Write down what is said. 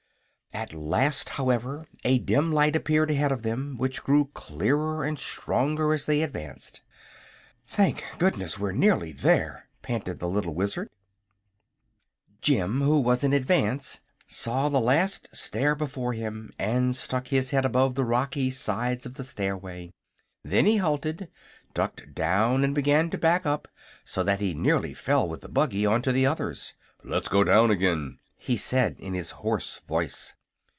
At last, however, a dim light appeared ahead of them, which grew clearer and stronger as they advanced. "Thank goodness we're nearly there!" panted the little Wizard. Jim, who was in advance, saw the last stair before him and stuck his head above the rocky sides of the stairway. Then he halted, ducked down and began to back up, so that he nearly fell with the buggy onto the others. "Let's go down again!" he said, in his hoarse voice.